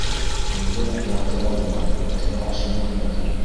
Һеҙҙә ялтырау бар, Аждаһа шуны ярата.